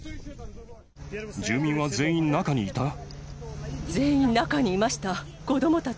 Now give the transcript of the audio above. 住民は全員中にいた？